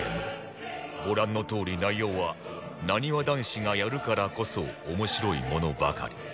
ご覧のとおり内容はなにわ男子がやるからこそ面白いものばかり